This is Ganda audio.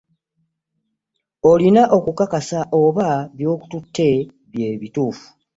Olina okukakasa oba by'otutte bye bituufu.